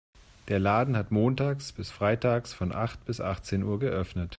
Der Laden hat montags bis freitags von acht bis achtzehn Uhr geöffnet.